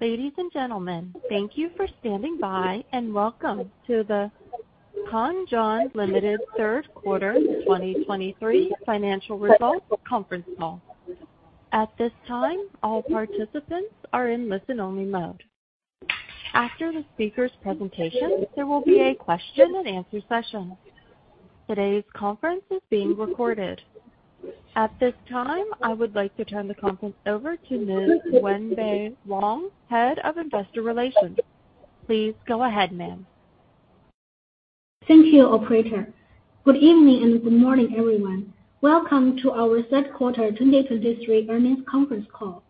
Ladies and gentlemen, thank you for standing by, and welcome to the Kanzhun Limited Third Quarter 2023 Financial Results Conference Call. At this time, all participants are in listen-only mode. After the speaker's presentation, there will be a question and answer session. Today's conference is being recorded. At this time, I would like to turn the conference over to Ms. Wenbei Wang, Head of Investor Relations. Please go ahead, ma'am. Thank you, operator. Good evening, and good morning, everyone. Welcome to our third quarter 2023 earnings conference call.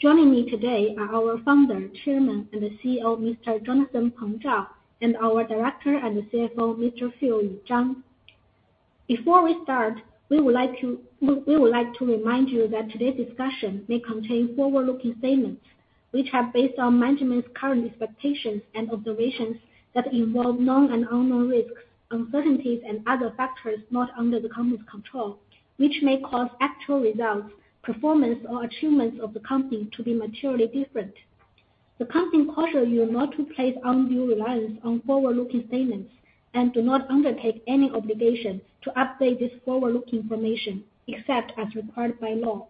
Joining me today are our Founder, Chairman and CEO, Mr. Jonathan Peng Zhao, and our Director and CFO, Mr. Phil Yu Zhang. Before we start, we would like to remind you that today's discussion may contain forward-looking statements, which are based on management's current expectations and observations that involve known and unknown risks, uncertainties and other factors not under the company's control, which may cause actual results, performance or achievements of the company to be materially different. The company cautions you not to place undue reliance on forward-looking statements and does not undertake any obligation to update this forward-looking information, except as required by law.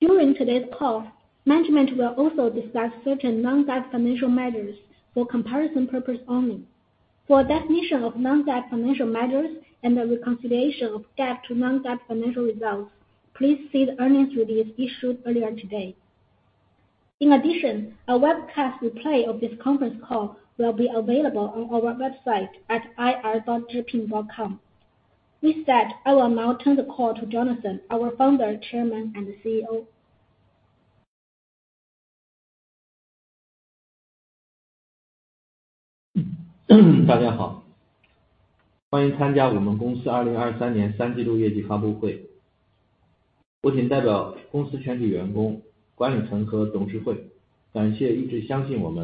During today's call, management will also discuss certain non-GAAP financial measures for comparison purposes only. For a definition of non-GAAP financial measures and the reconciliation of GAAP to non-GAAP financial results, please see the earnings release issued earlier today. In addition, a webcast replay of this conference call will be available on our website at ir.zhipin.com. With that, I will now turn the call to Jonathan, our Founder, Chairman, and CEO. 大家好，欢迎参加我们公司2023年第三季度业绩发布会。我谨代表公司全体员工、管理层和董事会，感谢一直相信我们，支持我们的用户和投资者。Hello,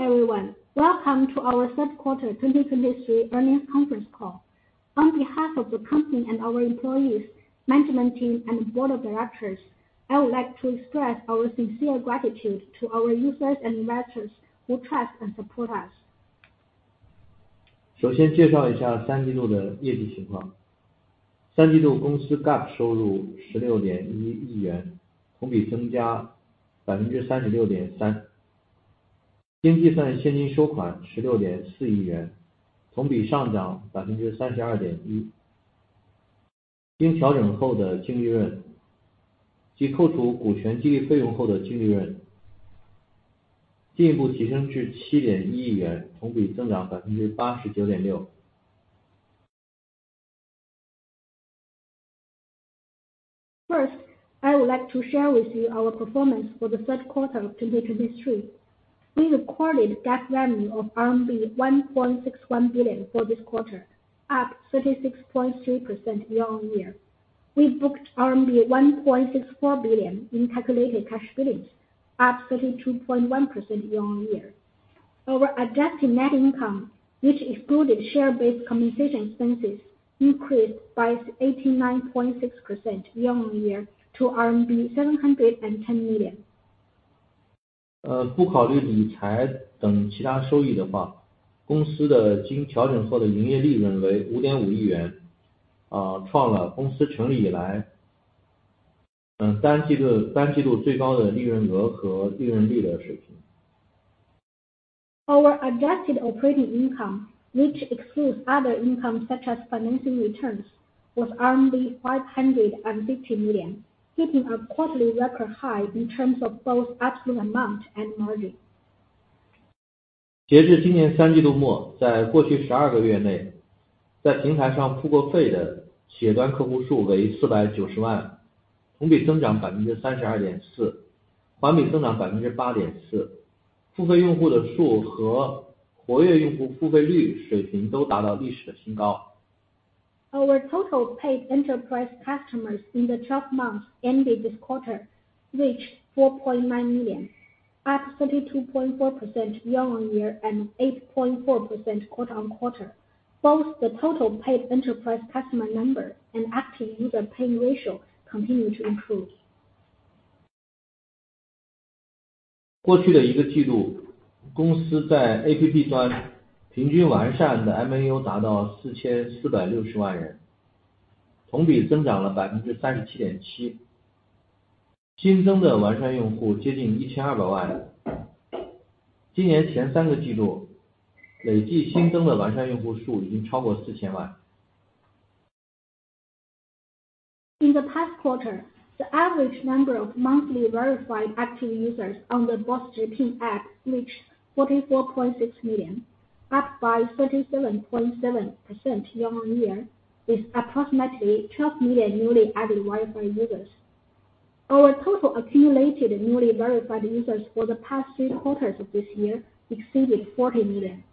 everyone. Welcome to our third quarter 2023 earnings conference call. On behalf of the company and our employees, management team and board of directors, I would like to express our sincere gratitude to our users and investors who trust and support us. 首先介绍一下第三季度的业绩情况。三季度公司GAAP收入16.1亿元，同比增加36.3%，经计算现金收款16.4亿元，同比上涨32.1%。经调整后的净利润，即扣除股权激励费用后的净利润，进一步提升至7.1亿元，同比增长89.6%。First, I would like to share with you our performance for the third quarter of 2023. We recorded GAAP revenue of RMB 1.61 billion for this quarter, up 36.3% year-on-year. We booked 1.64 billion in calculated cash billings, up 32.1% year-on-year. Our adjusted net income, which excluded share-based compensation expenses, increased by 89.6% year-on-year to CNY 710 million. 不考虑理财等其他收益的话，公司的经调整后的营业利润为CNY 550 million，创了公司成立以来单季度最高的利润额和利润率水平。Our adjusted operating income, which excludes other income such as financing returns, was 550 million, hitting a quarterly record high in terms of both absolute amount and margin. 截至今年第三季度末，在过去12个月内，在平台上付过费的企业端客户数为490万，同比增长32.4%，环比增长8.4%。付费用户的数和活跃用户付费率水平都达到历史的新高。Our total paid enterprise customers in the twelve months ending this quarter reached 4.9 million, up 32.4% year-on-year and 8.4% quarter-on-quarter. Both the total paid enterprise customer number and active user paying ratio continued to improve. 过去的 一个季度，公司 在APP端 平均完善的MAU达到4,460万人，同比 增长了37.7%。新增的 完善用户接近1,200万。今年 前三个季度，累计 新增的完善用户数已经 超过4,000万。In the past quarter, the average number of monthly verified active users on the BOSS Zhipin app reached 44.6 million, up by 37.7% year-on-year, with approximately 12 million newly added verified users. Our total accumulated newly verified users for the past three quarters of this year exceeded 40 million.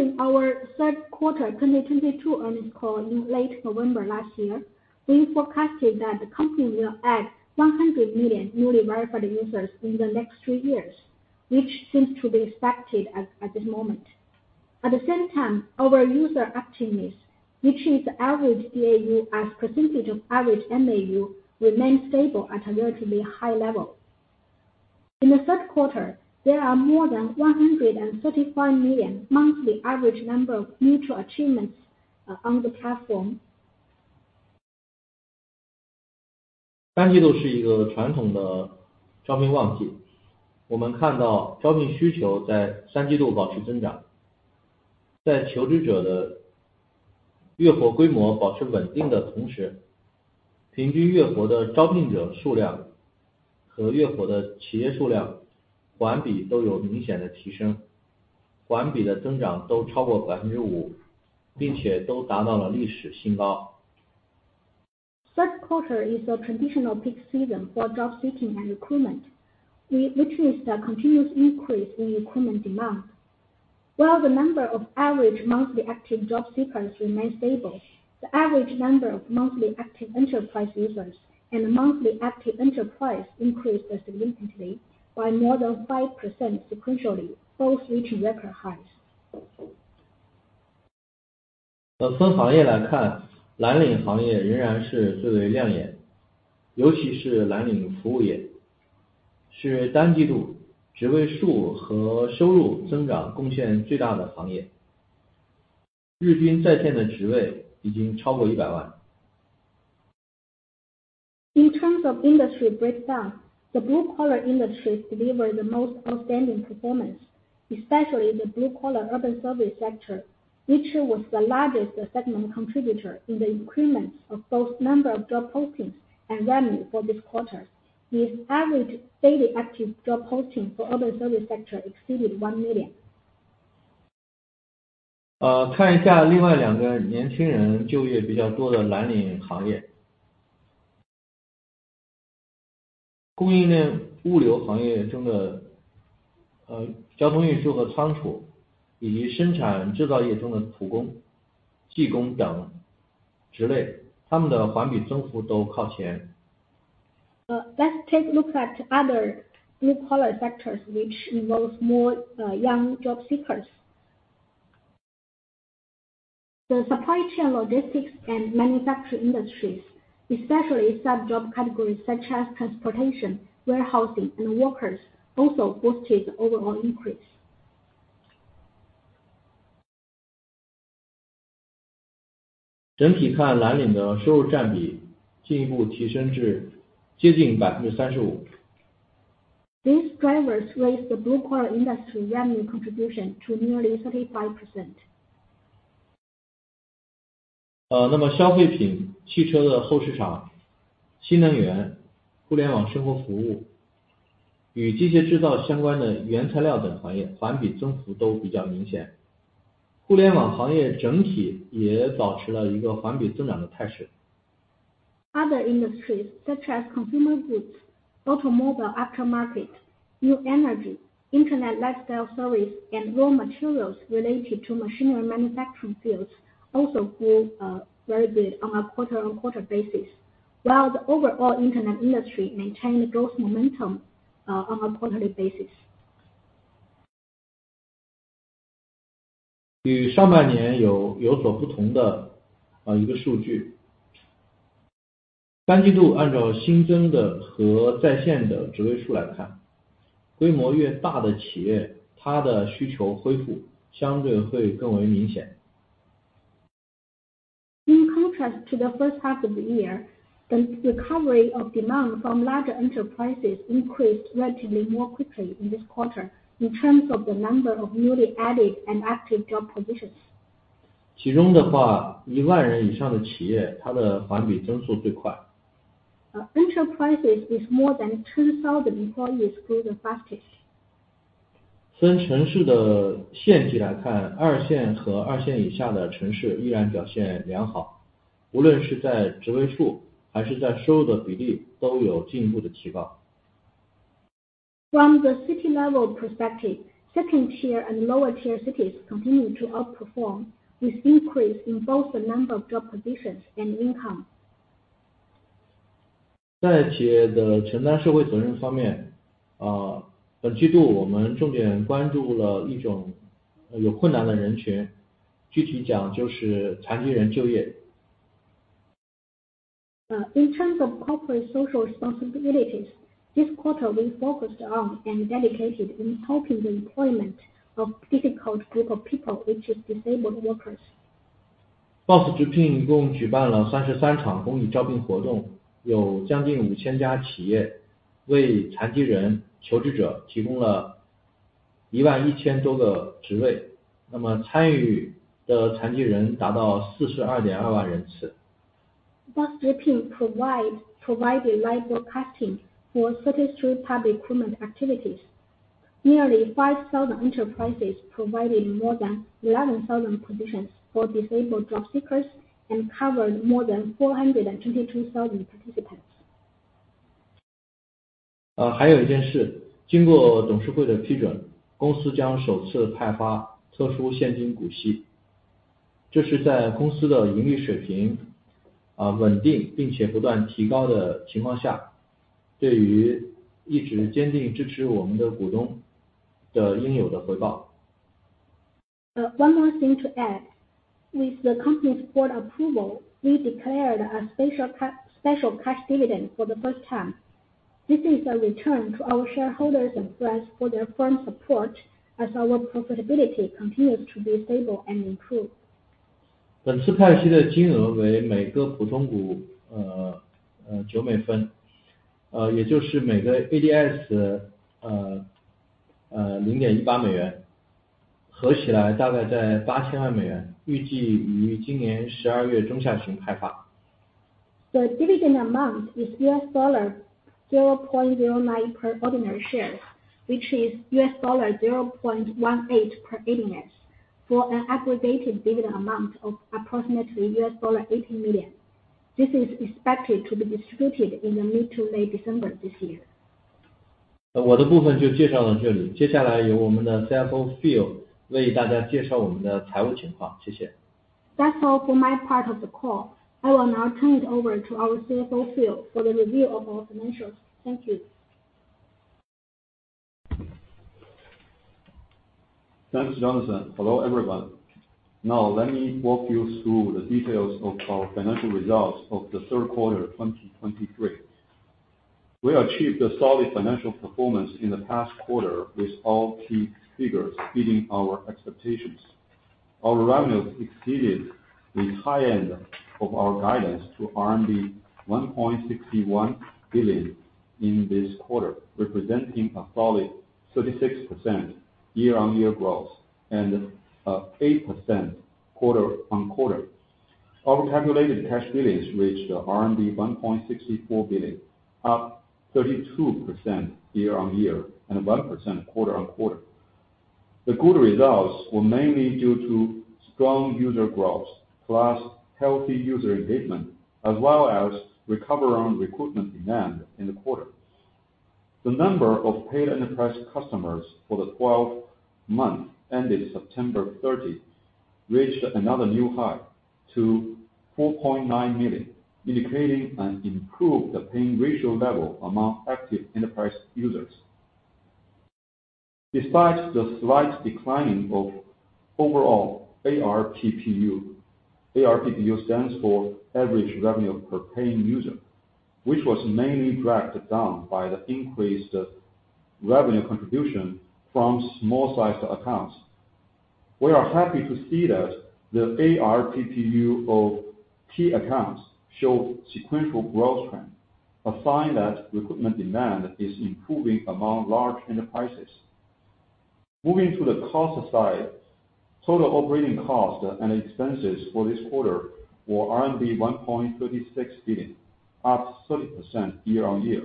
During our third quarter 2022 earnings call in late November last year, we forecasted that the company will add 100 million newly verified users in the next three years, which seems to be expected at this moment. At the same time, our user activeness, which is the average DAU as percentage of average MAU, remains stable at a relatively high level. In the third quarter, there are more than 135 million monthly average number of mutual achievements on the platform. 第三季度是一个传统的招聘旺季，我们看到招聘需求在第三季度保持增长。在求职者的月活规模保持稳定的同时，平均月活的招聘者数量和月活的企业数量环比都有明显的提升，环比的增长都超过5%，并且都达到了历史新高。Third quarter is a traditional peak season for job seeking and recruitment, we witnessed a continuous increase in recruitment demand. While the number of average monthly active job seekers remains stable, the average number of monthly active enterprise users and monthly active enterprise increased significantly by more than 5% sequentially, both reaching record highs. 分行业来看，蓝领行业仍然是最为亮眼，尤其是蓝领服务业，是单季度职位数和收入增长贡献最大的行业。日均在线的职位已经超过100万。In terms of industry breakdown, the blue collar industry delivered the most outstanding performance, especially the blue collar urban service sector, which was the largest segment contributor in the increments of both number of job postings and revenue for this quarter. The average daily active job posting for urban service sector exceeded 1 million. 看一下另外两个年轻人就业比较多的蓝领行业。供应链物流行业中的交通运输和仓储，以及生产制造业中的普工、技工等职位，他们的环比增幅都靠前。Let's take a look at other blue collar sectors, which involves more young job seekers. The supply chain, logistics and manufacturing industries, especially sub-job categories such as transportation, warehousing, and workers, also boosted overall increase. 整体看，蓝领的收入占比进一步提升至接近35%。These drivers raised the blue collar industry revenue contribution to nearly 35%. 那么，消费品、汽车的后市场、新能源、互联网生活服务与机械制造相关的原材料等行业环比增幅都比较明显。互联网行业整体也保持了一个环比增长的态势。Other industries, such as consumer goods, automobile aftermarket, new energy, Internet lifestyle service, and raw materials related to machinery manufacturing fields, also grew, very good on a quarter-on-quarter basis, while the overall Internet industry maintained growth momentum, on a quarterly basis. 与上半年有所不同的一个数据。三季度按照新增的和在线的职位数来看，规模越大的企业，它的的需求恢复相对会更为明显。In contrast to the first half of the year, the recovery of demand from larger enterprises increased relatively more quickly in this quarter in terms of the number of newly added and active job positions. 其中的话，10,000人以上的企业，它的环比增速最快。Enterprises is more than 2,000 employees grew the fastest. 从城市的分级来看，二线和二线以下的城市依然表现良好，无论是在职位数还是在收入的比例都有进一步的提高。From the city-level perspective, second-tier and lower-tier cities continue to outperform, with increase in both the number of job positions and income. 在企业的承担社会责任方面，本季度我们重点关注了一种有困难的人群，具体讲就是残疾人就业。In terms of corporate social responsibilities, this quarter we focused on and dedicated in helping the employment of difficult group of people, which is disabled workers. BOSS直聘一共举办了33场公益招聘活动，有近5000家企业为残疾人求职者提供了1.1万个职位，那么参与的残疾人达到42.2万人次。BOSS Zhipin provide live broadcasting for 33 public recruitment activities. Nearly 5,000 enterprises providing more than 11,000 positions for disabled job seekers and covered more than 423,000 participants. 还有一件事，经过董事会的批准，公司将首次派发特殊现金股息，这是在公司的盈利水平稳定并且不断提高的情况下，对于一直坚定支持我们的股东的应有的回报。One more thing to add, with the company's board approval, we declared a special cash dividend for the first time. This is a return to our shareholders and friends for their firm support as our profitability continues to be stable and improve. 本次派息的金额为每个普通股$0.09，也就是每个ADS $0.18，合起来大概在$80 million，预计于今年12月中下旬派发。The dividend amount is $0.09 per ordinary shares, which is $0.18 per ADS, for an aggregated dividend amount of approximately $80 million. This is expected to be distributed in the mid-to-late December this year. 我的部分就介绍到这里，接下来由我们的CFO Phil为大家介绍我们的财务情况，谢谢。That's all for my part of the call. I will now turn it over to our CFO, Phil, for the review of our financials. Thank you. Thanks, Jonathan. Hello, everyone. Now let me walk you through the details of our financial results of the third quarter 2023. We achieved a solid financial performance in the past quarter, with all key figures beating our expectations. Our revenues exceeded the high end of our guidance to RMB 1.61 billion in this quarter, representing a solid 36% year-on-year growth and a 8% quarter-on-quarter. Our calculated cash billings reached 1.64 billion, up 32% year-on-year and 1% quarter-on-quarter. The good results were mainly due to strong user growth, plus healthy user engagement, as well as recovery on recruitment demand in the quarter. The number of paid enterprise customers for the twelve months ended September 30, reached another new high to 4.9 million, indicating an improved paying ratio level among active enterprise users. Despite the slight declining of overall ARPPU, ARPPU stands for Average Revenue Per Paying User, which was mainly dragged down by the increased revenue contribution from small sized accounts. We are happy to see that the ARPPU of key accounts showed sequential growth trend, a sign that recruitment demand is improving among large enterprises. Moving to the cost side, total operating costs and expenses for this quarter were RMB 1.36 billion, up 30% year-over-year.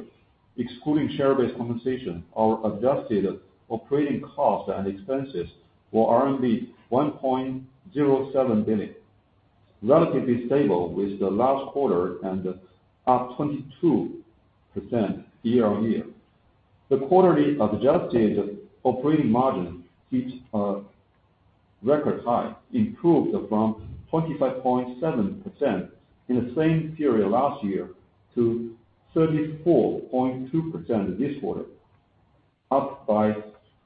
Excluding share-based compensation, our adjusted operating costs and expenses were RMB 1.07 billion, relatively stable with the last quarter and up 22% year-over-year. The quarterly adjusted operating margin reached a record high, improved from 25.7% in the same period last year to 34.2% this quarter, up by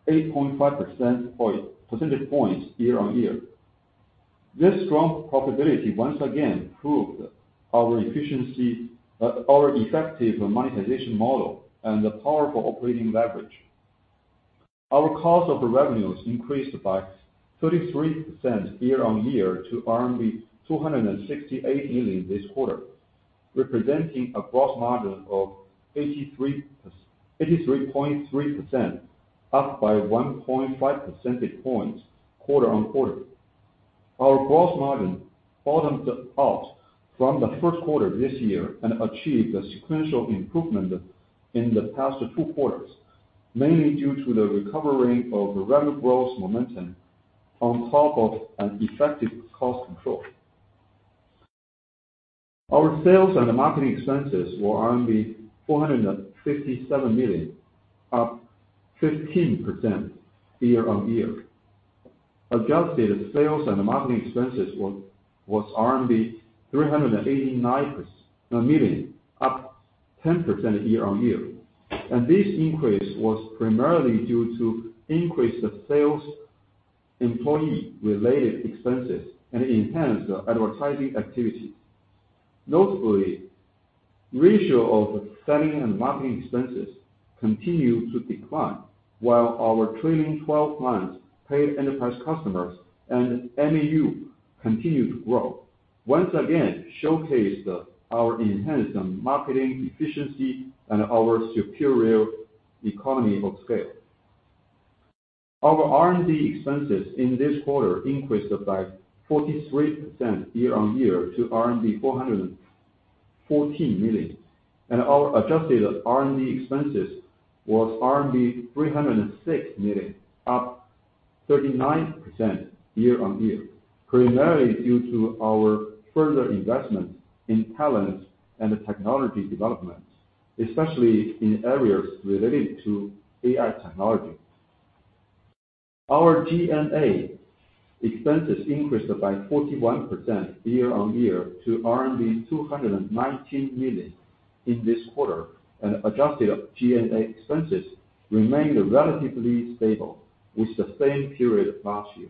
8.5 percentage points year-over-year. This strong profitability once again proved our efficiency, our effective monetization model and the powerful operating leverage. Our cost of revenues increased by 33% year-on-year to 268 million this quarter, representing a gross margin of 83.3%, up by 1.5 percentage points quarter-on-quarter. Our gross margin bottomed out from the first quarter this year and achieved a sequential improvement in the past two quarters, mainly due to the recovery of revenue growth momentum on top of an effective cost control. Our sales and marketing expenses were 457 million, up 15% year-on-year. Adjusted sales and marketing expenses was RMB 389 million, up 10% year-on-year, and this increase was primarily due to increased sales, employee related expenses, and enhanced advertising activity. Notably, ratio of selling and marketing expenses continued to decline while our trailing twelve months paid enterprise customers and MAU continued to grow. Once again, showcased our enhanced marketing efficiency and our superior economy of scale. Our R&D expenses in this quarter increased by 43% year-on-year to RMB 414 million, and our adjusted R&D expenses was RMB 306 million, up 39% year-on-year. Primarily due to our further investment in talent and technology development, especially in areas related to AI technology. Our G&A expenses increased by 41% year-on-year to RMB 219 million in this quarter, and adjusted G&A expenses remained relatively stable with the same period last year.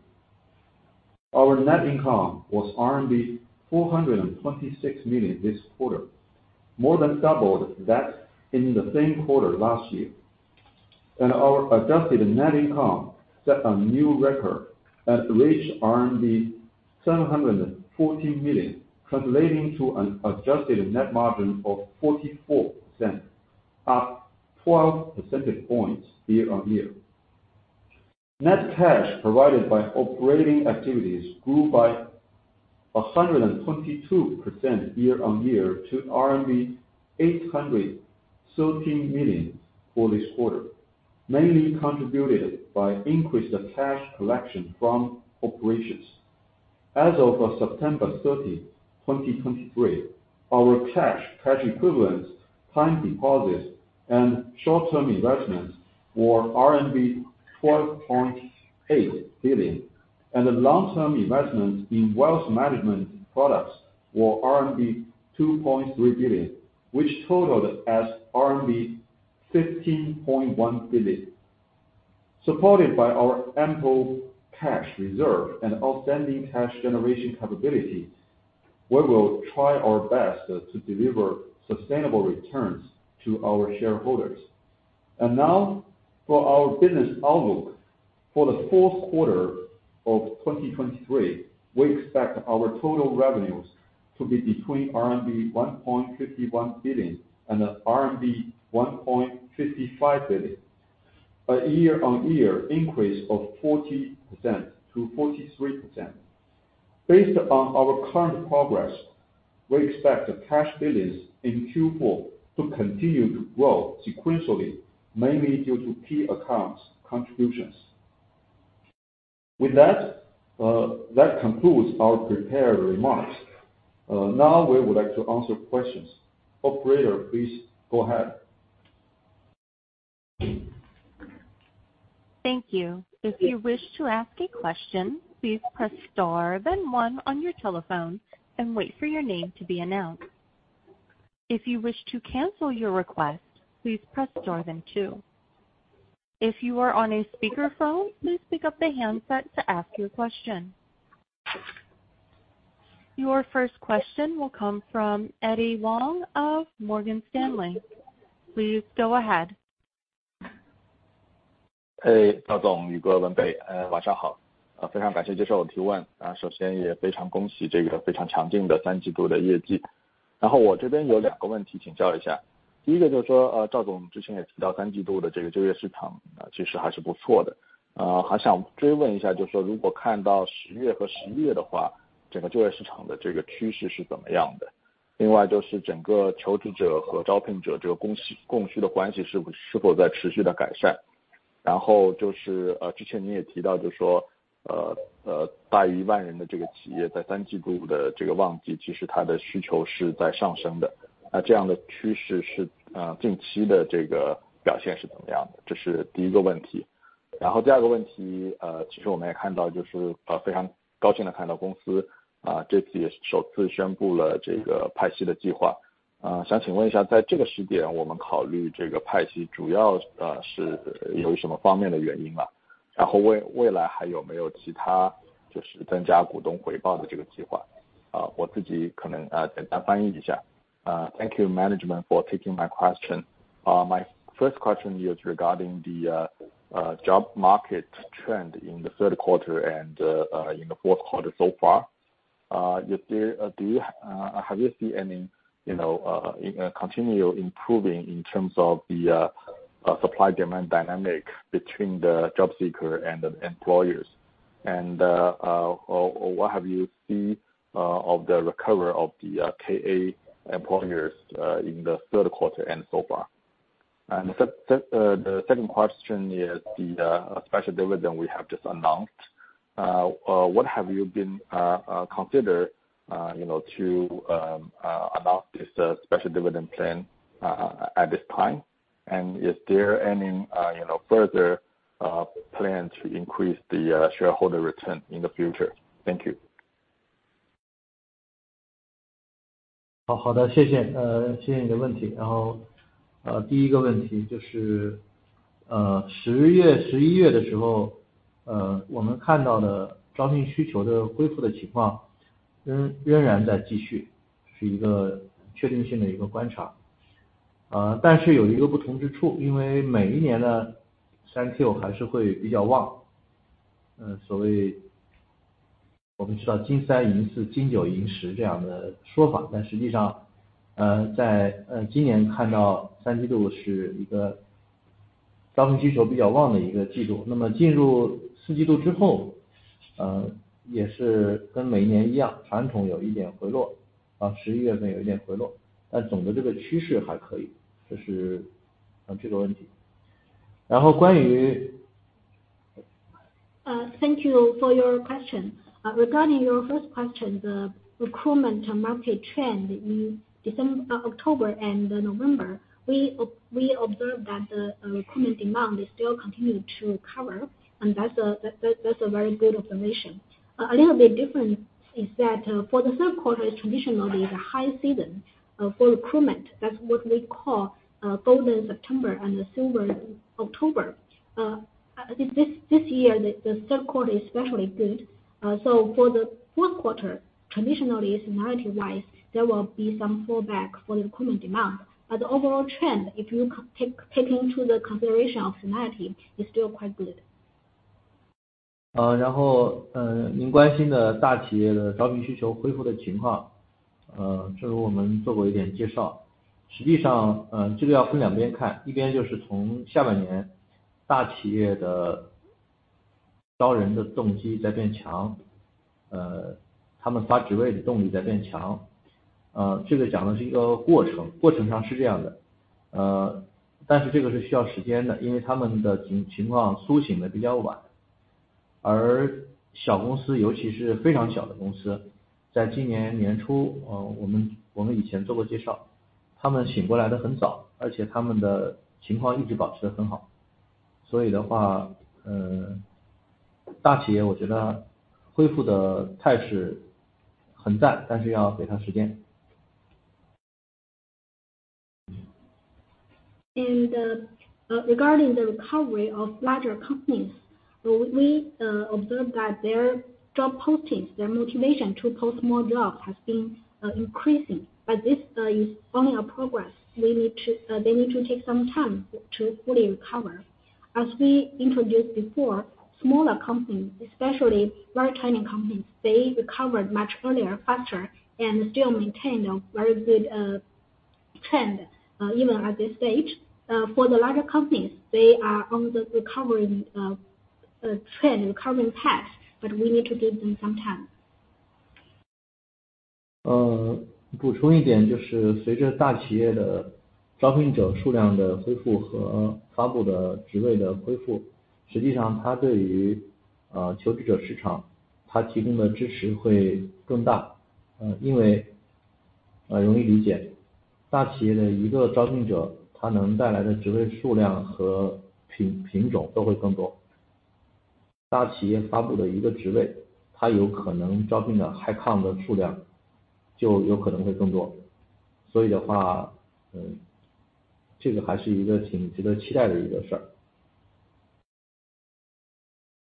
Our net income was RMB 426 million this quarter, more than doubled that in the same quarter last year, and our adjusted net income set a new record and reached 714 million, translating to an adjusted net margin of 44%, up 12 percentage points year-on-year. Net cash provided by operating activities grew by 122% year-on-year, to RMB 813 million for this quarter, mainly contributed by increased cash collection from operations. As of September 30, 2023, our cash, cash equivalents, time deposits and short-term investments were RMB 12.8 billion, and the long-term investments in wealth management products were RMB 2.3 billion, which totaled as RMB 15.1 billion. Supported by our ample cash reserve and outstanding cash generation capability, we will try our best to deliver sustainable returns to our shareholders. Now for our business outlook. For the fourth quarter of 2023, we expect our total revenues to be between RMB 1.51 billion and RMB 1.55 billion, a year-on-year increase of 40%-43%. Based on our current progress, we expect the cash billings in Q4 to continue to grow sequentially, mainly due to key accounts contributions. With that, that concludes our prepared remarks. Now we would like to answer questions. Operator, please go ahead. Thank you. If you wish to ask a question, please press star, then one on your telephone and wait for your name to be announced. If you wish to cancel your request, please press star, then two. If you are on a speakerphone, please pick up the handset to ask your question. Your first question will come from Eddy Wang of Morgan Stanley. Please go ahead. Hey, 赵总，Phil，文蓓，晚上好！非常感谢接受我提问，首先也非常恭喜这个非常强劲的第三季度的业绩。然后我这边有两个问题请教一下，第一个就是说，赵总之前也提到第三季度的这个就业市场啊，其实还是不错的。还想追问一下，就是说如果看到十月和十一月的话，整个就业市场的这个趋势是怎么样的？另外就是整个求职者和招聘者这个供需，供需的关系是否，是否在持续地改善。然后就是，之前你也提到，就是说，大于10,000人的这个企业在第三季度的这个旺季，其实它的需求是在上升的，那这样的趋势是，近期的这个表现是怎么样的？这是第一个问题。然后第二个问题，其实我们也看到，就是，非常高兴地看到公司啊，这次也是首次宣布了这个派息的计划。想请问一下，在这个时点，我们考虑这个派息主要的是有什么方面的原因啊？然后未来还有没有其他就是增加股东回报的这个计划？我自己可能简单翻译一下。Thank you, management, for taking my question. My first question is regarding the job market trend in the third quarter and in the fourth quarter so far, is there, do you, have you see any, you know, continue improving in terms of the supply-demand dynamic between the job seeker and the employers? Or what have you seen of the recovery of the KA employers in the third quarter and so far? And the second question is the special dividend we have just announced. What have you been considering, you know, to announce this special dividend plan at this time? And is there any, you know, further plan to increase the shareholder return in the future? Thank you. 好，好的，谢谢。谢谢你的问题。然后，第一个问题就是，十月、十一月的时候，我们看到的招聘需求的恢复的情况仍然在继续，是一个确定性的一个观察。... Thank you for your question. Regarding your first question, the recruitment market trend in December, October and November, we observe that the recruitment demand is still continue to recover, and that's a very good observation. A little bit different is that for the third quarter is traditionally is a high season for recruitment, that's what we call golden September and silver October. This year, the third quarter is especially good. So for the fourth quarter, traditionally, seasonality wise, there will be some fall back for the recruitment demand. But the overall trend, if you take into the consideration of seasonality, is still quite good. Regarding the recovery of larger companies, we observe that their job postings, their motivation to post more jobs has been increasing, but this is only a progress they need to take some time to fully recover. As we introduced before, smaller companies, especially very small companies, they recovered much earlier, faster, and still maintain a very good trend even at this stage. For the larger companies, they are on the recovery trend, recovery path, but we need to give them some time. 的数量就可能会有更多。所以的话，这个还是一个挺值得期待的一个事儿。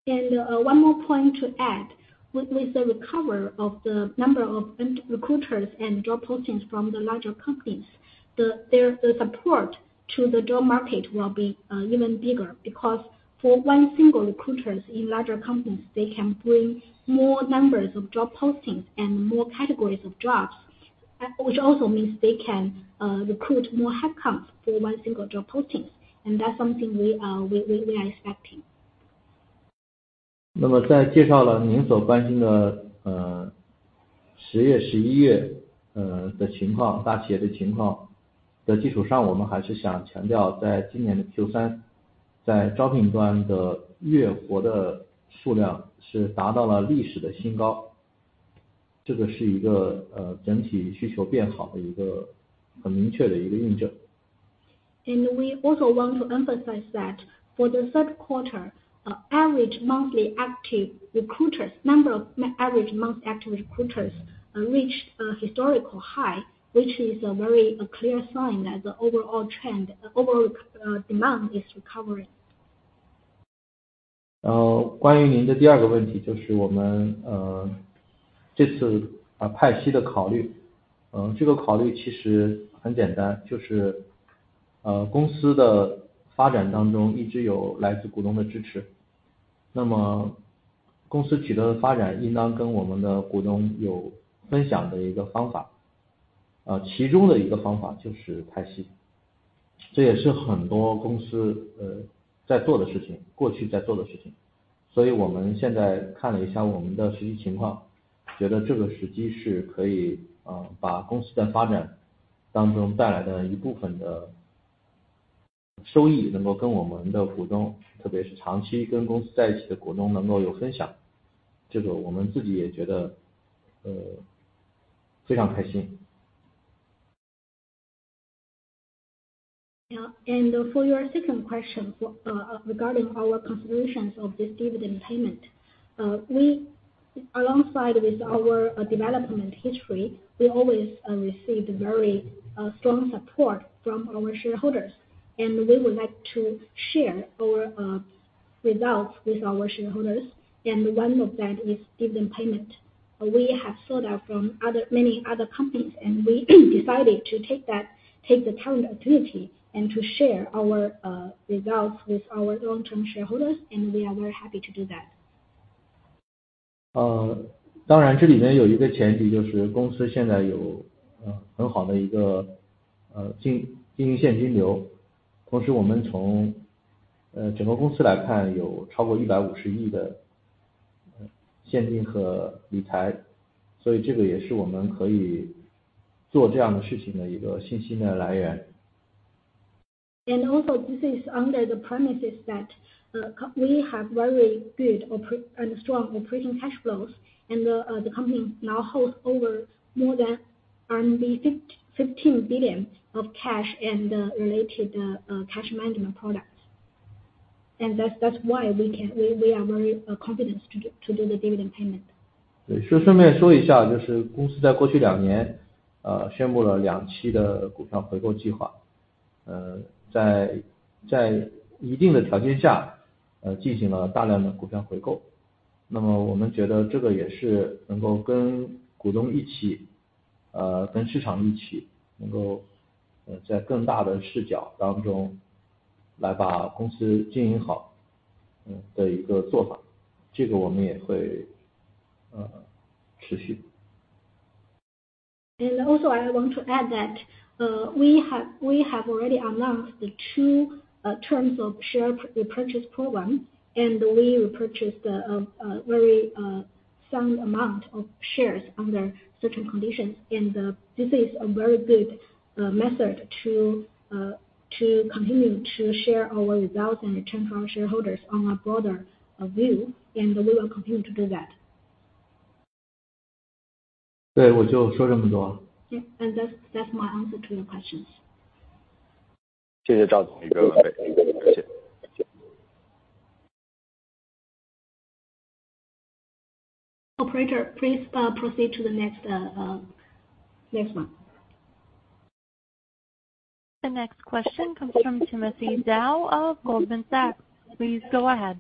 And one more point to add, with the recovery of the number of recruiters and job postings from the larger companies, their support to the job market will be even bigger, because for one single recruiter in larger companies, they can bring more numbers of job postings and more categories of jobs, which also means they can recruit more headcounts for one single job posting, and that's something we are expecting. 那么在介绍了您所关心的情况，十月、十一月的情况，大企业的情况的基础上，我们还是想强调，在今年的Q3，在招聘端的月活的数量是达到了历史的新高，这是一个整体需求变好的一个很明确的一个印证。We also want to emphasize that for the third quarter, number of average monthly active recruiters reached a historical high, which is a very clear sign that the overall trend, overall, demand is recovering. 关于您的第二个问题，就是我们这次派息的考虑。这个考虑其实很简单，就是公司的发 展当中一直有来自股东的支持，那么公司取得的发 展应当跟我们的股东有分享的一个方法，其中的一个方法就是派息，这也是很多公司，在做的事情，过去在做的事情。所以我们现在看了一下我们的实际情况，觉得这个时机是可以，把公司的发展当中带来的部分收益能够跟我们的股东，特别是长期跟公司在一起的股东能够有分享，这个我们自己也觉得，非常开心。Yeah, and for your second question, regarding our considerations of this dividend payment, we, alongside with our development history, always received very strong support from our shareholders, and we would like to share our results with our shareholders, and one of that is dividend payment. We have saw that from other many other companies, and we decided to take that, take the talent opportunity and to share our results with our long-term shareholders, and we are very happy to do that. 当然这里面有一个前提，就是公司现在有很好的一个净经营现金流。同时我们从整个公司来看，有超过 CNY 150亿 的现金和理财，所以这也是我们可以做这样的事情的一个信心的来源。Also this is under the premises that we have very good and strong operating cash flows. The company now holds over more than 15 billion of cash and related cash management products. That's why we are very confident to do the dividend payment. 对，就顺便说一下，就是公司在过去两年，宣布了两期的股票回购计划，在一定的条件下，进行了大量的股票回购，那么我们觉得这个也是能够跟股东一起，跟市场一起，能够在更大的视角当中来把公司经营好，的一个做法，这个我们也会持续。And also I want to add that, we have, we have already announced the two terms of share purchase program, and we repurchased a, a very some amount of shares under certain conditions, and this is a very good method to to continue to share our results and return to our shareholders on a broader view, and we will continue to do that. 对，我就说这么多。That's, that's my answer to your questions. 谢谢赵总，谢谢，谢谢。Operator, please, proceed to the next one. The next question comes from Timothy Zhao of Goldman Sachs. Please go ahead.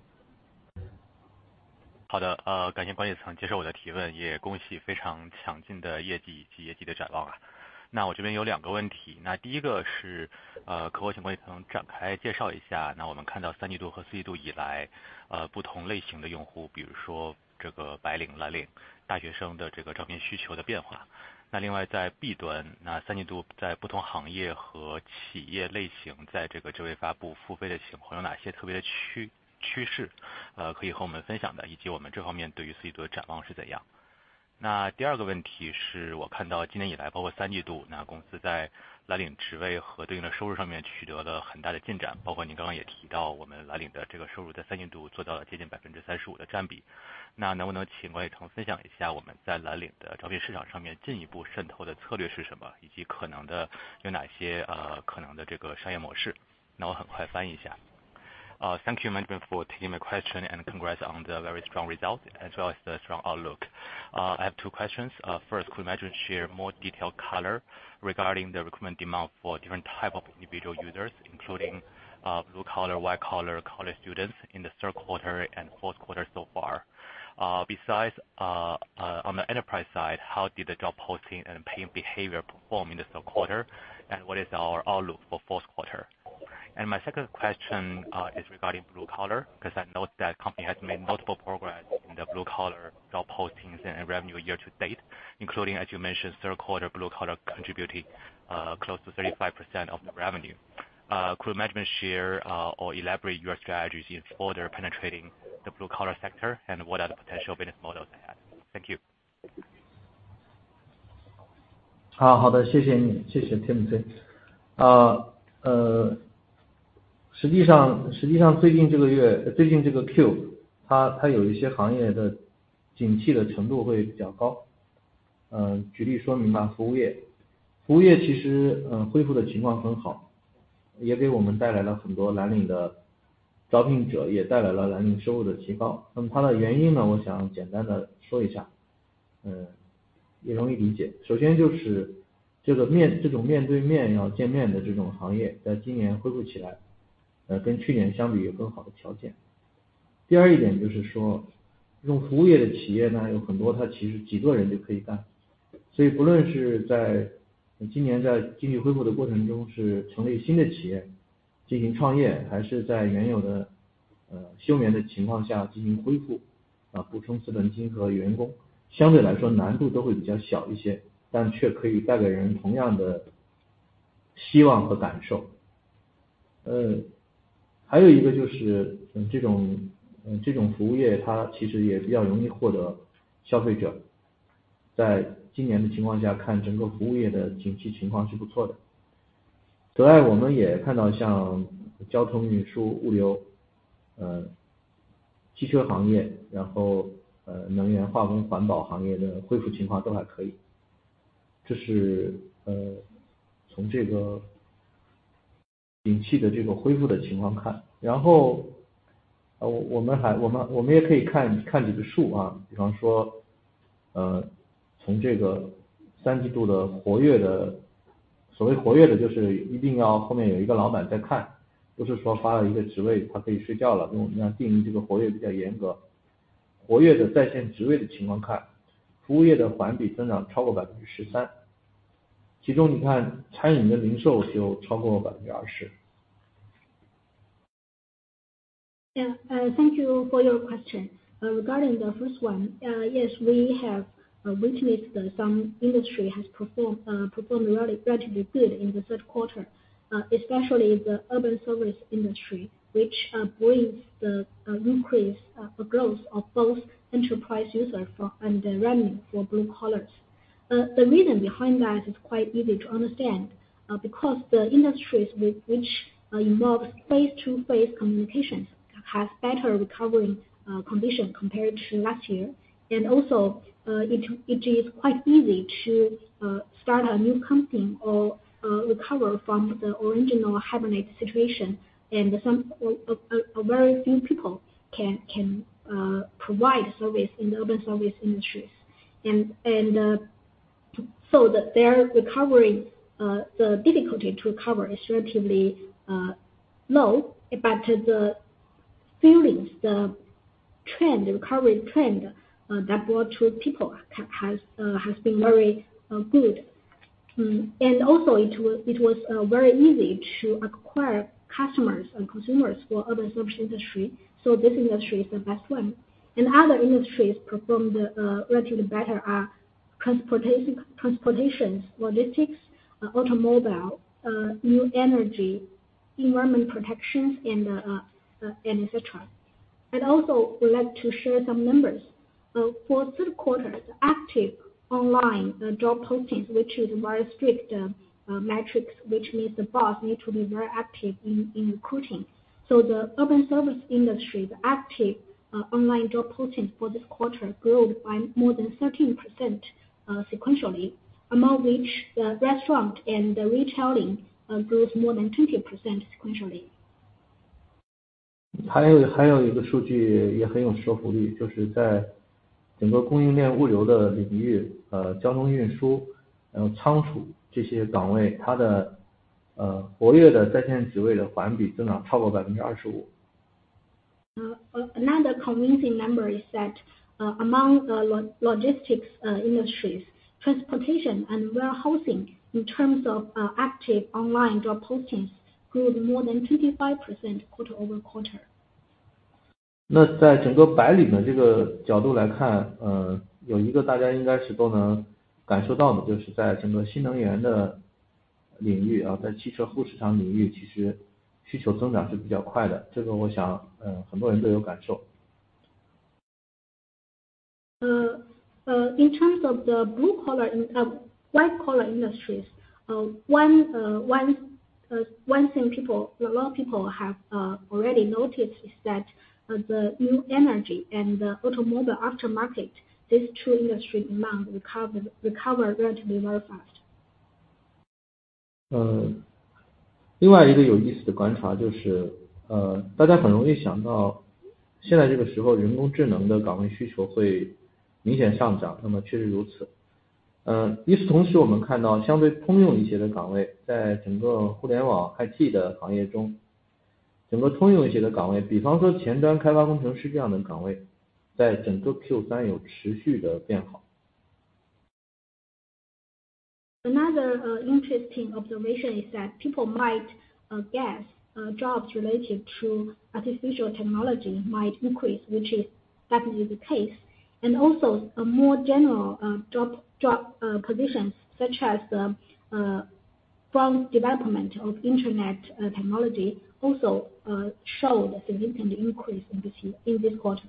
Thank you very much for taking my question and congrats on the very strong result as well as the strong outlook. I have two questions. First, could management share more detailed color regarding the recruitment demand for different type of individual users, including blue collar, white collar, college students in the third quarter and fourth quarter so far? Besides, on the enterprise side, how did the job posting and paying behavior perform in the third quarter? And what is our outlook for fourth quarter? And my second question is regarding blue collar, because I noticed that company has made multiple progress in the blue collar job postings and revenue year to date, including, as you mentioned, third quarter blue collar contributing close to 35% of the revenue. Could management share or elaborate your strategies in further penetrating the blue collar sector and what are the potential business models they have? Thank you. 好，好的，谢谢你，谢谢 Timothy。实际上，实际上最近这个月，最近这个 Q，它有一些行业的景气的程度会比较高。举个例子吧，服务业，服务业其实恢复的情况很好，也给我们带来了很多蓝领的招聘者，也带来了蓝领收入的提高。很快的原因呢，我想简单地说一下，也容易理解。首先就是这种面对面要见面的这种行业在今年恢复起来，跟去年相比有更好的条件。第二点就是说，这种服务业的企 Yeah, thank you for your question. Regarding the first one, yes, we have witnessed that some industry has performed relatively good in the third quarter, especially the urban service industry, which brings the increase, the growth of both enterprise user for and revenue for blue collars. The reason behind that is quite easy to understand, because the industries which involves face to face communications has better recovery condition compared to last year. And also, it is quite easy to start a new company or recover from the original hibernate situation. And some very few people can provide service in the urban service industries. And so that their recovery, the difficulty to recover is relatively low, but the feelings, the trend, the recovery trend that brought to people has been very good. And also it was very easy to acquire customers and consumers for other service industry, so this industry is the best one. And other industries performed relatively better are transportation, logistics, automobile, new energy, environment protections and etc. And also would like to share some numbers. For third quarter, the active online job postings, which is very strict metrics, which means the boss need to be very active in recruiting. So the urban service industry, the active online job postings for this quarter grew by more than 13%, sequentially, among which the restaurant and retailing grows more than 20% sequentially. 还有，还有一个数据也很有说服力，就是在整个供应链物流的领域，交通运输，然后仓储这些岗位，它的活跃的在线职位的环比增长超过25%。Another convincing number is that, among the logistics industries, transportation and warehousing in terms of active online job postings, grew more than 25% quarter-over-quarter. 那在整个白领的这个角度来看，有一个大家应该是都能感受到的，就是在整个新能源的领域，在汽车后市场领域，其实需求增长是比较快的，这个我想，很多人都感受到。In terms of the blue collar, white collar industries, one thing people, a lot of people have already noticed is that, the new energy and the automobile aftermarket, these two industry demand recover, recover relatively very fast. 另外一个有趣的观察就是，大家很容易想到，现在这个时候人工智能的岗位需求会明显上涨，那么确实如此。与此同时，我们看到相对通用一些的岗位，在整个互联网IT的行业中，整个通用一些的岗位，比如说前端开发工程师这样的岗位，在整个Q三有持续的变好。Another interesting observation is that people might guess jobs related to artificial technology might increase, which is definitely the case. And also a more general job positions such as the front development of Internet technology also show a significant increase in this quarter.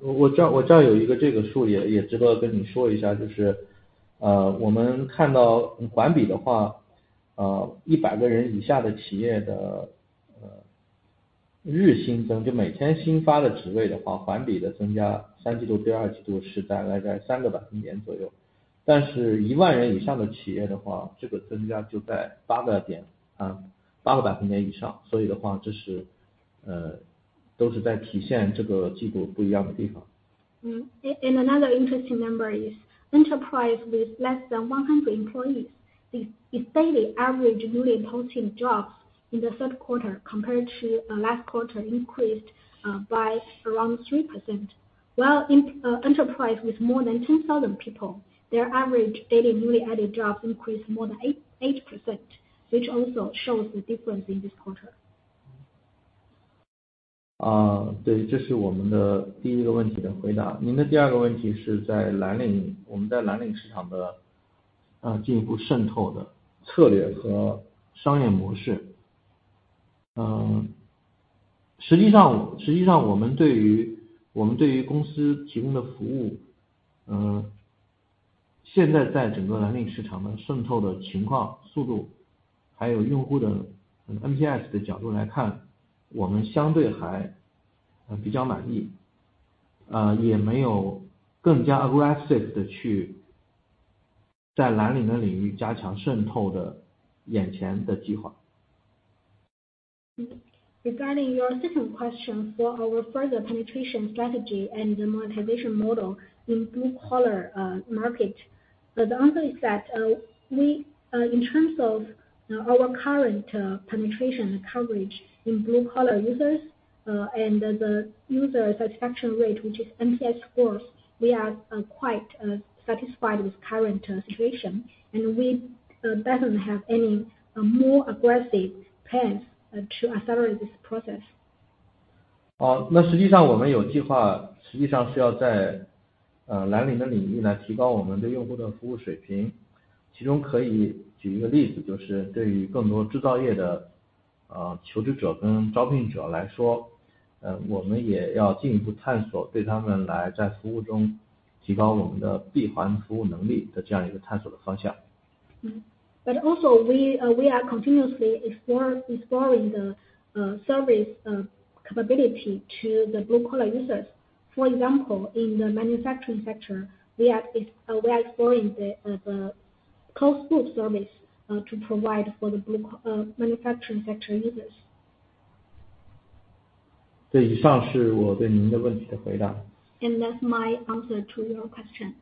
我知道，有一个这个数，也值得跟你说一下，就是我们看到环比的话，100个人以下的企业，日新增就每天新发的职位的话，环比的增加，第三季度第二季度大概在3个百分点左右，但是10,000人以上的企业的话，这个增加就在8个百分点以上。所以的话，这都是在体现这个季度不一样的地方。And another interesting number is enterprise with less than 100 employees is daily average newly posting jobs in the third quarter compared to last quarter increased by around 3%. While in enterprise with more than 10,000 people, their average daily newly added jobs increased more than eight percent, which also shows the difference in this quarter. Regarding your second question for our further penetration strategy and the monetization model in blue collar market. The answer is that, we, in terms of, our current, penetration and coverage in blue collar users, and the user satisfaction rate, which is NPS scores, we are, quite, satisfied with current, situation, and we, doesn't have any, more aggressive plans, to accelerate this process. 那实际上我们有计划，实际上是要在蓝领的领域来提高我们对用户的服务水平。其中可以举一个例子，就是对于更多制造业的求职者跟招聘者来说，我们也要进一步探索，对他们在服务中提高我们的闭环服务能力这样的一个探索的方向。But also we are continuously exploring the service capability to the blue collar users. For example, in the manufacturing sector, we are exploring the cost service to provide for the blue collar manufacturing sector users. 这以上是我的对您的问题的回答。That's my answer to your question.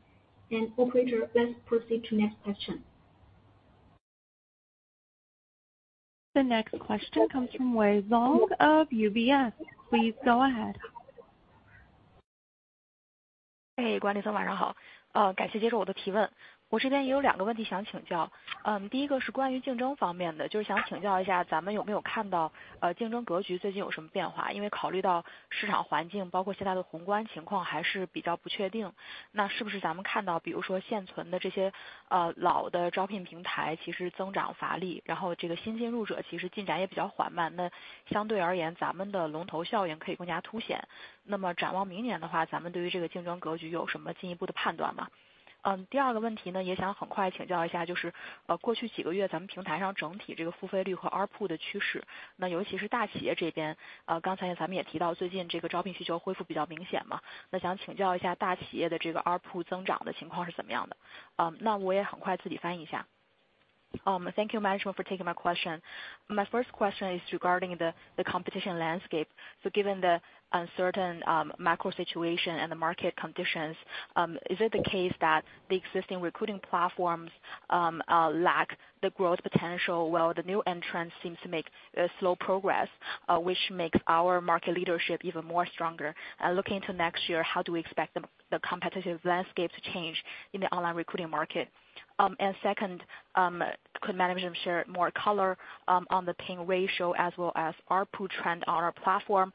Operator, let's proceed to next question. The next question comes from Wei Xiong of UBS. Please go ahead. Thank you very much for taking my question. My first question is regarding the competition landscape. So given the uncertain macro situation and the market conditions, is it the case that the existing recruiting platforms lack the growth potential, while the new entrants seem to make slow progress, which makes our market leadership even more stronger? And looking into next year, how do we expect the competitive landscape to change in the online recruiting market? And second, could management share more color on the paying ratio as well as ARPU trend on our platform,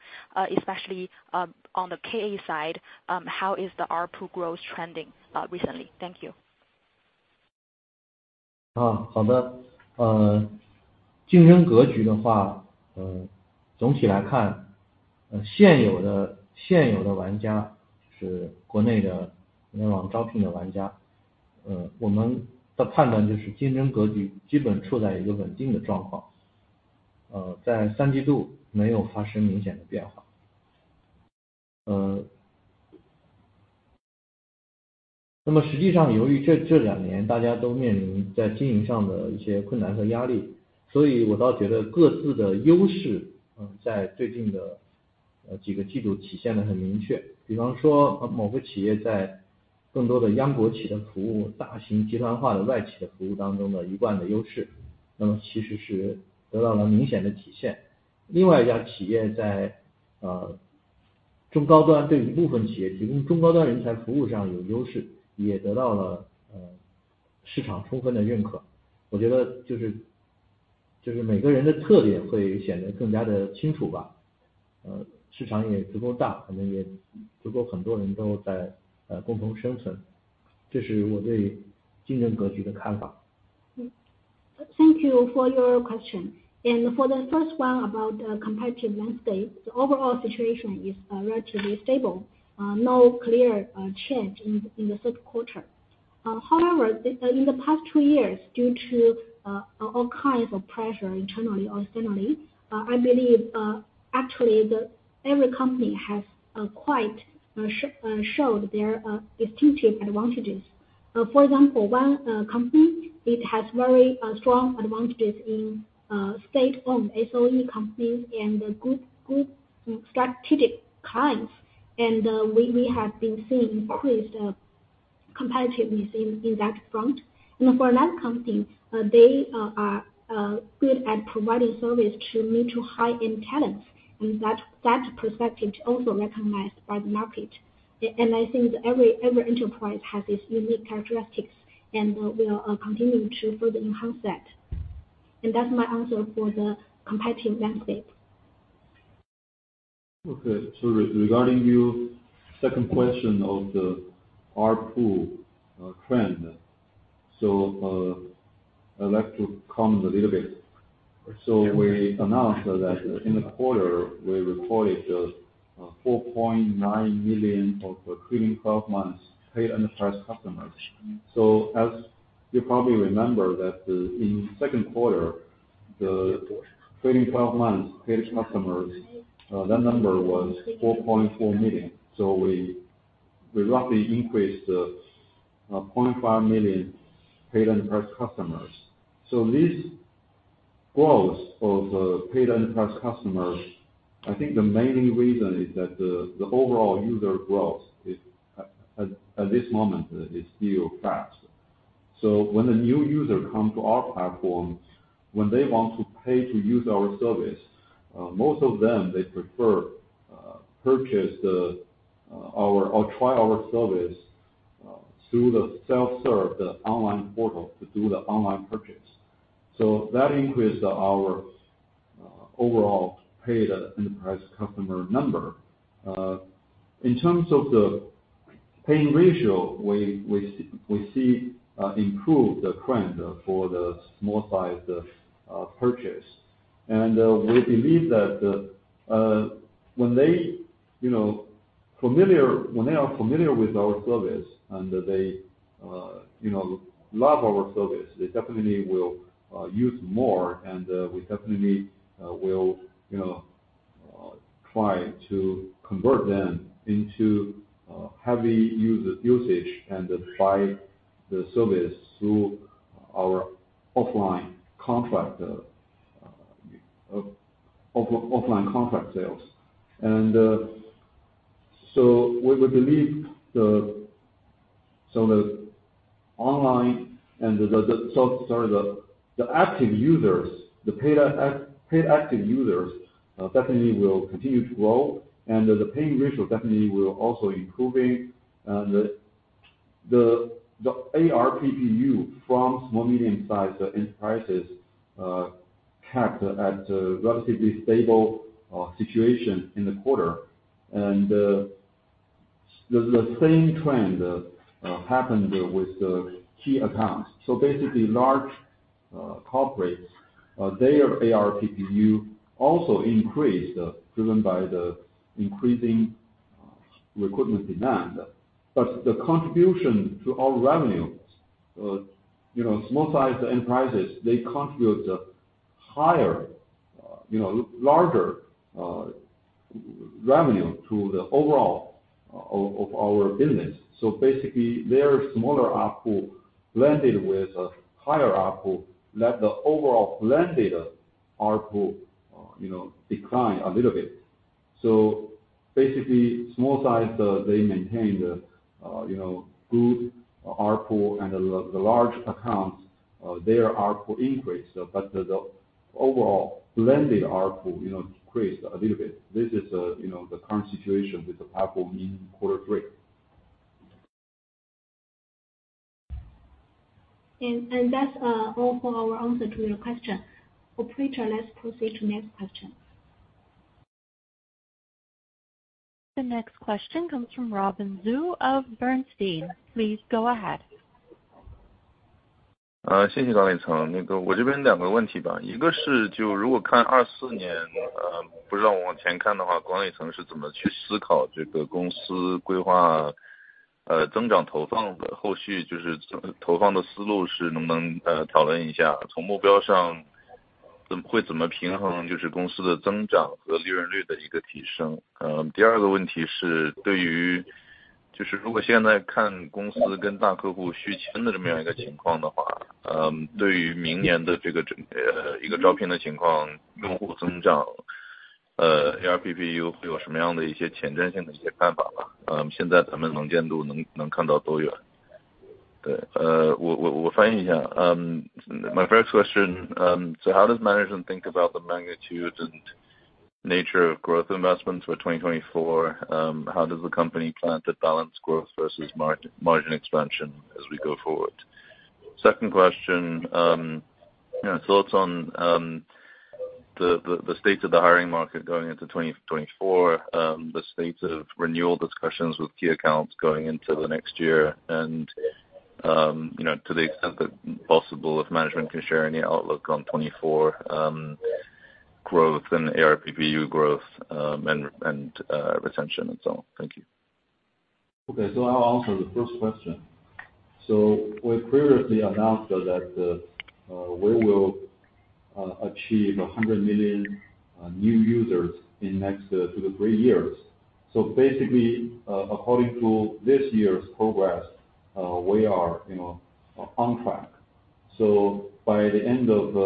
especially on the KA side, how is the ARPU growth trending recently? Thank you. Thank you for your question. For the first one, about the competitive landscape, the overall situation is relatively stable. No clear change in the third quarter. However, in the past two years, due to all kinds of pressure, internally or externally, I believe actually the every company has quite showed their distinctive advantages. For example, one company, it has very strong advantages in state-owned SOE companies and good, good strategic clients. And we have been seeing increased competitiveness in that front. And for another company, they are good at providing service to mid to high-end talents, and that perspective is also recognized by the market. I think every enterprise has its unique characteristics, and we are continuing to further enhance that. That's my answer for the competitive landscape. Okay, so regarding your second question of the ARPU trend. So, I'd like to comment a little bit. So we announced that in the quarter, we reported 4.9 million trailing twelve months paid enterprise customers. So as you probably remember that in the second quarter, the trailing twelve months paid customers, that number was 4.4 million, so we roughly increased 0.5 million paid enterprise customers. So this growth of the paid enterprise customers, I think the main reason is that the overall user growth is, at this moment, still fast. So when a new user come to our platform, when they want to pay to use our service, most of them, they prefer purchase the, our, or try our service through the self-serve, the online portal, to do the online purchase. So that increased our overall paid enterprise customer number. In terms of the paying ratio, we see improved trend for the small size purchase. And we believe that when they, you know, familiar—when they are familiar with our service and they, you know, love our service, they definitely will use more, and we definitely will, you know, try to convert them into heavy user usage and buy the service through our offline contract sales. And so we believe the online and the active users, the paid active users definitely will continue to grow, and the paying ratio definitely will also improving. The ARPPU from small, medium-sized enterprises kept at a relatively stable situation in the quarter. The same trend happened with the key accounts. So basically large corporates their ARPPU also increased, driven by the increasing recruitment demand. But the contribution to our revenue, you know, small-sized enterprises, they contribute higher, you know, larger revenue to the overall of our business. So basically, their smaller ARPU blended with a higher ARPU let the overall blended ARPU you know decline a little bit. So basically, small size they maintain the you know good ARPU, and the large accounts their ARPU increased, but the overall blended ARPU you know decreased a little bit. This is you know the current situation with the ARPU in quarter three. And that's all for our answer to your question. Operator, let's proceed to next question. The next question comes from Robin Zhu of Bernstein. Please go ahead. 谢谢，庄立诚。我这边两个问题吧，一个是如果看2024年，不知道往前看的话，庄立诚是怎么去思考这个公司规划，增长投放的后续，就是投放的思路能不能讨论一下，从目标上怎么平衡，就是公司的增长和利润率的一个提升。第二个问题是，对于...... My first question, so how does management think about the magnitude and nature of growth investments for 2024? How does the company plan to balance growth versus margin expansion as we go forward? Second question, you know, thoughts on the state of the hiring market going into 2024, the state of renewal discussions with key accounts going into the next year. You know, to the extent that possible, if management can share any outlook on 2024 growth and ARPPU growth, and retention and so on. Thank you. Okay. So I'll answer the first question. So we previously announced that we will achieve 100 million new users in next to the three years. So basically, according to this year's progress, we are, you know, on track. So by the end of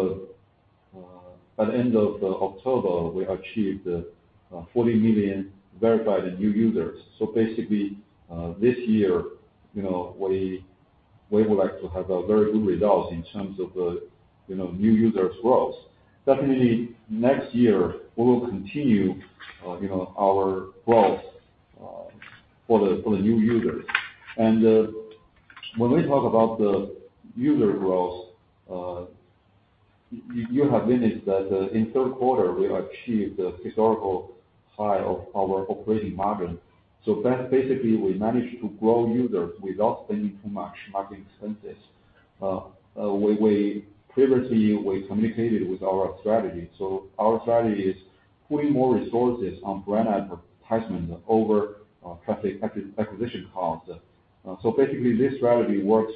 October, we achieved 40 million verified new users. So basically, this year, you know, we would like to have very good results in terms of the, you know, new user growth. Definitely, next year, we will continue, you know, our growth for the new users. And when we talk about the user growth, you have noticed that in third quarter, we achieved a historical high of our operating margin. So that's basically, we managed to grow users without spending too much marketing expenses. We previously communicated our strategy. So our strategy is putting more resources on brand advertisement over traffic acquisition costs. So basically, this strategy works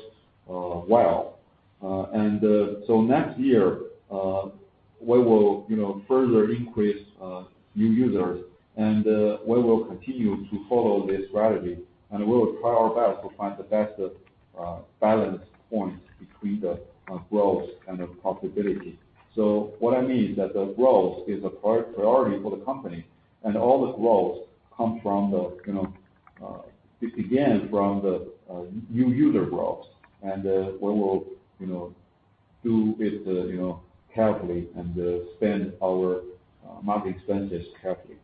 well. And so next year, we will, you know, further increase new users, and we will continue to follow this strategy, and we will try our best to find the best balance point between the growth and the profitability. So what I mean that the growth is a priority for the company, and all the growth come from the, you know, it began from the new user growth, and we will, you know, do it, you know, carefully and spend our market expenses carefully.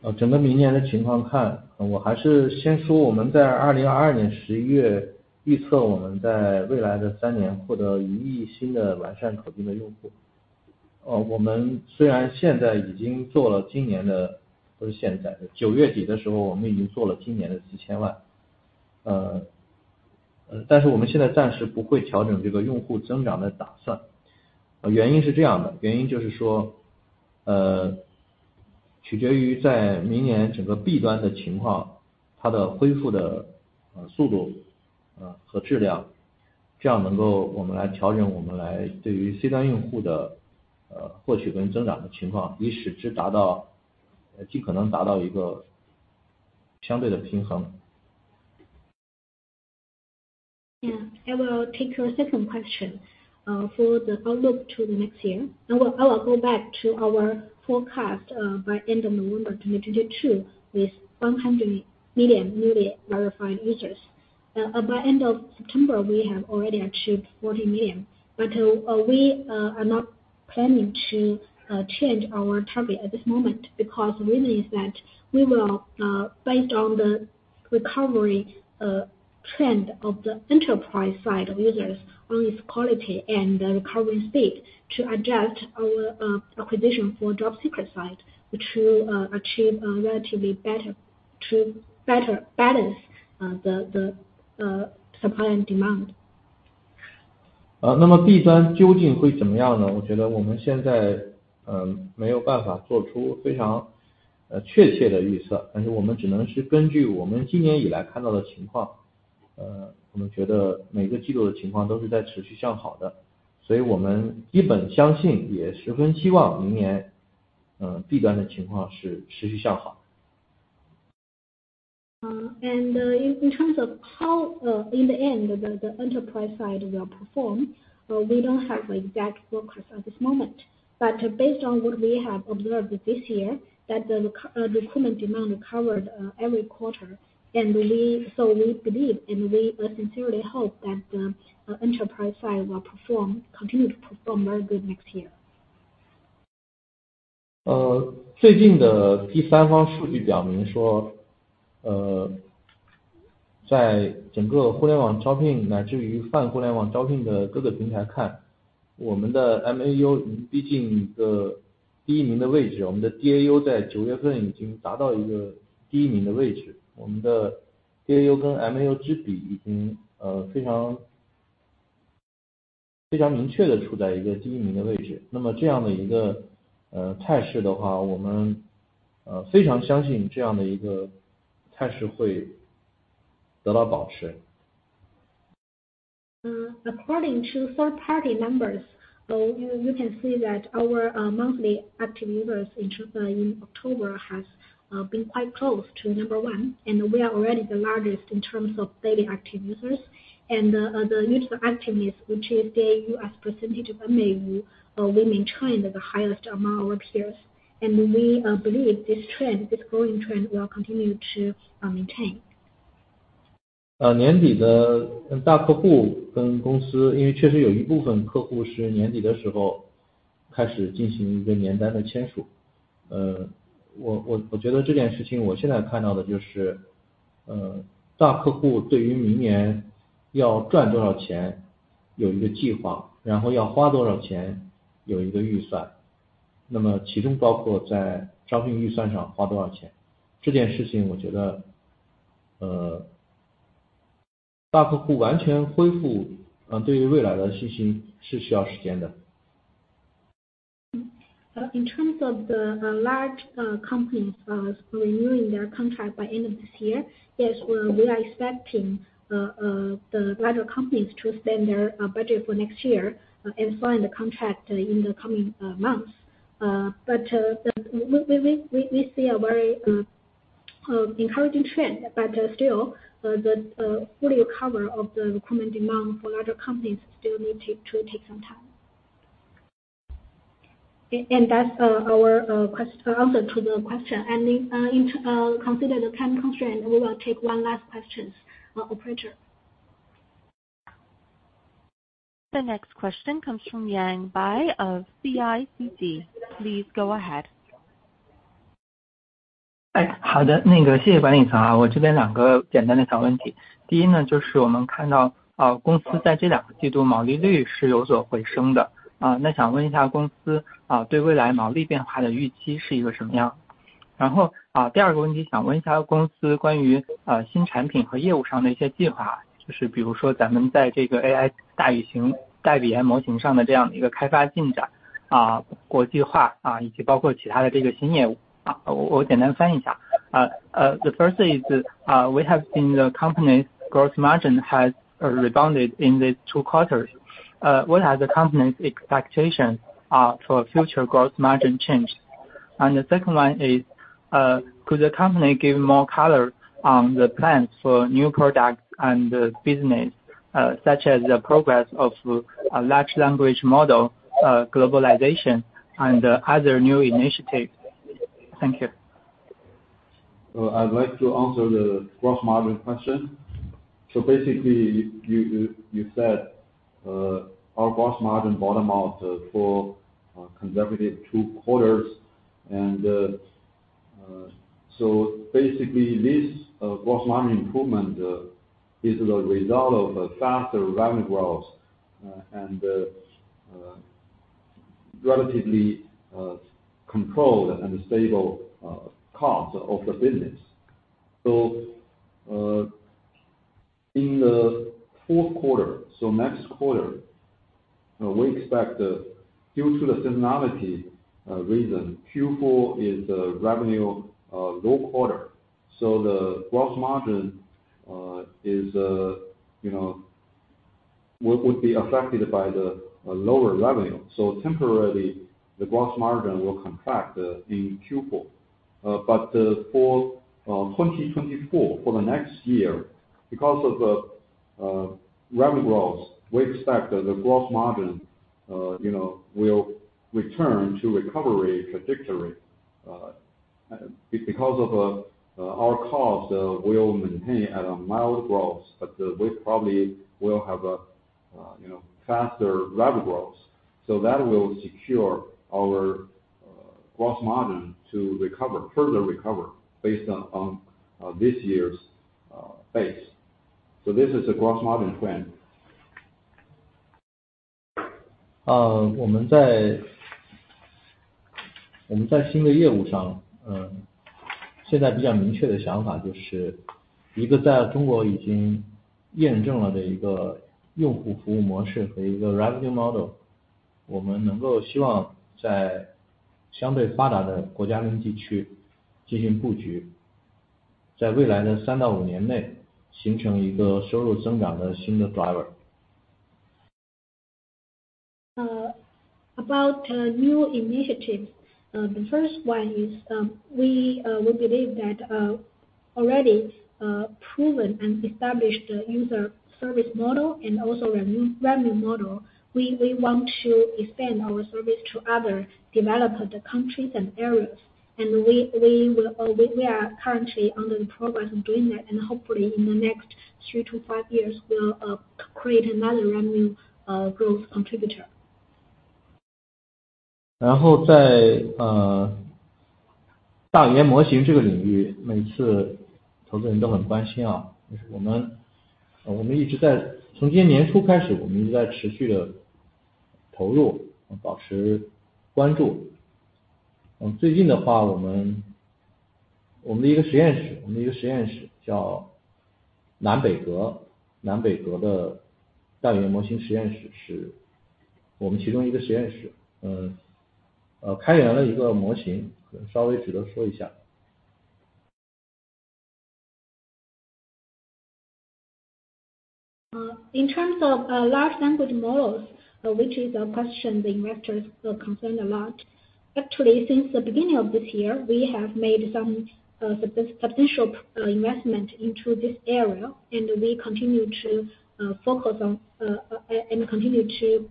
那我回答你的第二个问题，就是，整个明年的情况看，我还是先说我我们在2022年11月，预测我们在未来的3年获得1亿新的完整口径的用户。我们虽然现在已经做了今年的，不是现在的，9月底的时候，我们已经做了今年的几千万。但是我们现在暂时不会调整这个用户增长的计划。原因是这样的，原因就是说，取決于在明年整个经济的情况，它的恢复的速度，和质量，这样能够我们来调整，我们来对于C端用户的，获取跟增长的情况，以使之达到，尽可能达到一个相对的平衡。Yeah, I will take your second question for the outlook to the next year. I will, I will go back to our forecast by end of November 2022, with 100 million newly verified users. By end of September, we have already achieved 40 million, but we are not planning to change our target at this moment, because reason is that we will, based on the recovery trend of the enterprise side of users on its quality and the recovery speed to adjust our acquisition for job seeker side, which will achieve a relatively better to better balance the, the, supply and demand. 那么B端究竟会怎么样呢？我觉得我们现在，没有办法做出非常确切的预测，但是我们只能是根据我们今年以来看到的情况，我们觉得每个季度的情况都是在持续向好的，所以我们基本相信，也十分希望明年，B端的情况是持续向好。In terms of how, in the end, the enterprise side will perform. We don't have exact focus at this moment, but based on what we have observed this year, that the recruitment demand recovered every quarter, and so we believe, and we sincerely hope that the enterprise side will perform, continue to perform very good next year. 最近的第三方数据显示，在整个互联网招聘乃至泛互联网招聘的各个平台来看，我们的MAU是第一名的位置，我们的DAU在九月份已经达到一个第一名的位置，我们的DAU跟MAU之比已经非常、非常明确地处于一个第一名的位置，那么这样的一个态势的话，我们非常相信这样的一个态势会得到保持。According to third party numbers, you can see that our monthly active users in October has been quite close to number one, and we are already the largest in terms of daily active users. And the user activities, which is DAU as percentage of MAU, we maintain the highest among our peers, and we believe this trend, this growing trend will continue to maintain. In terms of the large companies renewing their contract by end of this year. Yes, we are expecting the larger companies to spend their budget for next year and sign the contract in the coming months. But we see a very encouraging trend, but still, the fully recover of the recruitment demand for larger companies still need to take some time. And that's our answer to the question. In consideration of the time constraint, we will take one last questions. Operator. The next question comes from Yang Bai of CICC. Please go ahead. 好的，那个谢谢管理员。我这边两个简单的小问题，第一呢，就是我们看到，公司在这两个季度毛利率是有所回升的，那想问一下公司对未来毛利率变化的预期是一个什么样的？然后，第二个问题想问一下公司关于，新产品和业务上的一些计划，就是比如说咱们在这个AI大语言模型上的这样的一个开发进展。...啊，国际化，啊，以及包括其他的这个新业务。啊，我简单翻译一下。The first is, we have seen the company's gross margin has rebounded in these two quarters. What are the company's expectations for future gross margin change? And the second one is, could the company give more color on the plans for new products and business, such as the progress of a large language model, globalization and other new initiatives? Thank you. So I'd like to answer the gross margin question. So basically, you said, our gross margin bottom out for consecutive two quarters, and so basically this gross margin improvement is the result of a faster revenue growth, and relatively controlled and stable cost of the business. So, in the fourth quarter, so next quarter, we expect due to the seasonality reason, Q4 is the revenue low quarter, so the gross margin is you know would be affected by the lower revenue, so temporarily the gross margin will contract in Q4. But for 2024, for the next year, because of the revenue growth, we expect the gross margin you know will return to recovery trajectory because our cost will maintain at a mild growth, but we probably will have a you know faster revenue growth, so that will secure our gross margin to recover, further recover based on this year's base. So this is a gross margin plan. 我们，在新的业务上，现在比较明确的想法就是一个在中国已经验证了的一个用户服务模式和一个 revenue model，我们能够希望在相对发达的国家地区进行布局，在未来的3-5年内形成一个收入增长的新 driver。About new initiatives. The first one is, we believe that already proven and established user service model and also a revenue model, we want to expand our service to other developed countries and areas, and we will, we are currently under the progress of doing that, and hopefully in the next 3-5 years, we'll create another revenue growth contributor. In terms of large language models, which is a question the investors are concerned a lot. Actually, since the beginning of this year, we have made some substantial investment into this area, and we continue to focus on, and continue to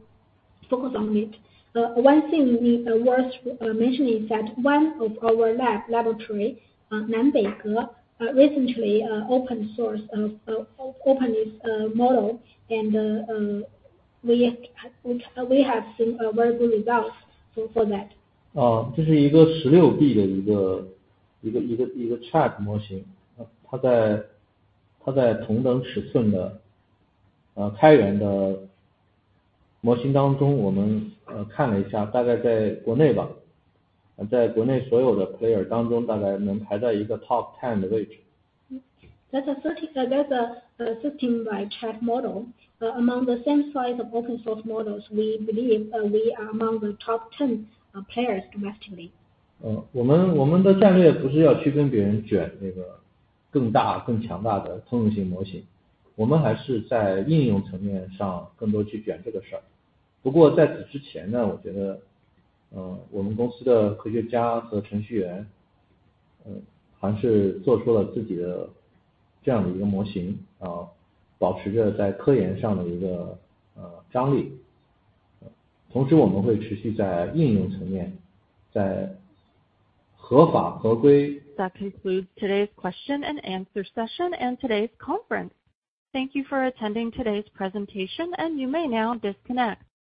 focus on it. One thing worth mentioning is that one of our laboratory, Nanbeige, recently open-sourced this model, and we have seen a very good results for that. 这是16B的一个chat模型，它在同等尺寸的开源模型当中，我们看了一下，大概在国内吧，在国内所有的player当中，大概能排在一个top 10的位置。That's a 30- that's a 16B chat model. Among the same size of open source models, we believe we are among the top 10 players domestically. 我们的战略不是要去跟别人卷那个更大更强大的通用性模型，我们还是在应用层面上更多去卷这个事儿。不过在此之前呢，我觉得，我们公司的科学家和程序员，还是做出了自己的这样的一个模型，保持着在科研上的一个张力。同时我们会继续在应用层面，在合法合规... That concludes today's question-and-answer session and today's conference. Thank you for attending today's presentation, and you may now disconnect.